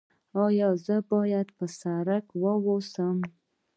ایا زه باید په سرپل کې اوسم؟